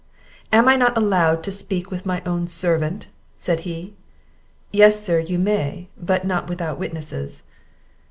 "Am I not allowed to speak with my own servant?" said he. "Yes, sir, you may; but not without witnesses."